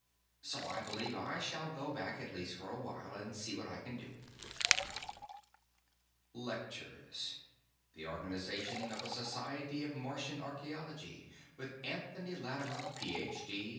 So, I believe I shall go back at least for a while, and see what I can do " Lectures. The organization of a Society of Martian Archaeology, with Anthony Lattimer, Ph.D.